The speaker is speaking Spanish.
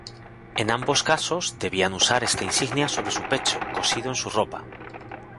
En ambos casos, debían usar esta insignia sobre su pecho, cosido en su ropa.